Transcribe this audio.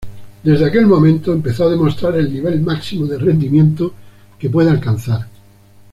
Desde aquel momento, empezó a demostrar el nivel máximo de rendimiento que puede alcanzar.